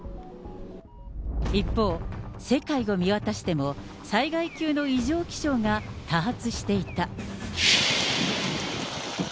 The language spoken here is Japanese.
一方、世界を見渡しても、災害級の異常気象が多発していた。